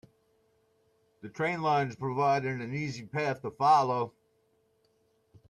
The train lines provided an easy path to follow.